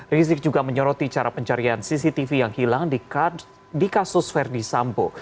rizik juga menyeruti cara pencarian cctv yang hilang di kasus ferdis sampo